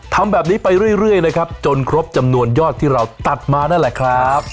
ทำแบบนี้ไปเรื่อยนะครับจนครบจำนวนยอดที่เราตัดมานั่นแหละครับ